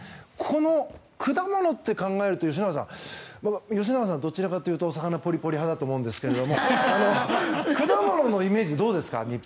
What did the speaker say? この果物って考えると吉永さん吉永さんはどちらかというと魚ポリポリ派だと思うんだけど日本の果物のイメージどうですか？